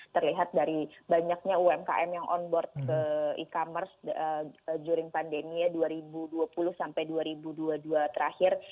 terlihat dari banyaknya umkm yang on board ke e commerce joring pandemi ya dua ribu dua puluh sampai dua ribu dua puluh dua terakhir